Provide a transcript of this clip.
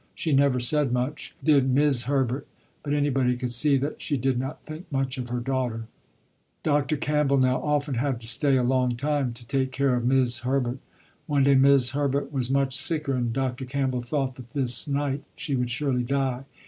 She never said much, did 'Mis' Herbert, but anybody could see that she did not think much of this daughter. Dr. Campbell now often had to stay a long time to take care of 'Mis' Herbert. One day 'Mis' Herbert was much sicker and Dr. Campbell thought that this night, she would surely die.